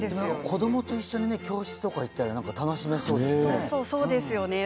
子どもと一緒に教室に行ったら楽しめそうですね。